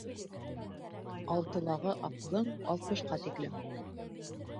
Алтылағы аҡылың алтмышҡа тиклем.